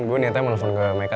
gue niatnya mau nelfon ke mereka